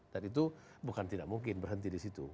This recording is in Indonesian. dan itu bukan tidak mungkin berhenti di situ